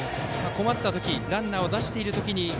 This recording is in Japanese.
困った時ランナーを出している時に。